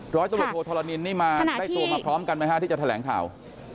ร้อยตำรวจโทธรณินนี่มาได้ตัวมาพร้อมกันไหมฮะที่จะแถลงข่าว